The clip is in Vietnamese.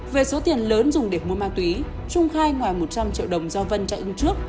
về số tiền lớn dùng để mua ma túy trung khai ngoài một trăm linh triệu đồng do vân chạy ưng trước